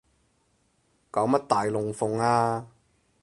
搞乜大龍鳳啊